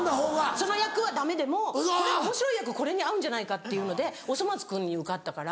その役はダメでもおもしろい役これに合うんじゃないかっていうので『おそ松くん』に受かったから。